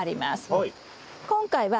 はい。